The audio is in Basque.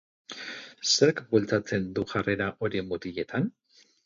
Zerk bultzatzen du jarrera hori mutiletan?